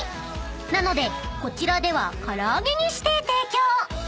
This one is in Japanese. ［なのでこちらでは唐揚げにして提供］